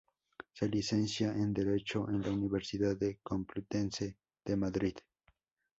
Se licencia en Derecho en la Universidad Complutense de Madrid.